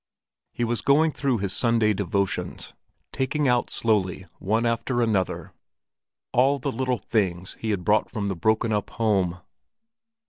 He was going through his Sunday devotions, taking out slowly, one after another, all the little things he had brought from the broken up home.